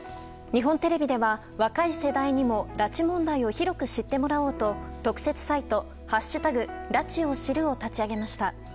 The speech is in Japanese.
日本テレビでは若い世代にも拉致問題を広く知ってもらおうと特設サイト「＃拉致を知る」を立ち上げました。